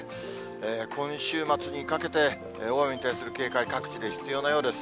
今週末にかけて、大雨に対する警戒、各地で必要なようです。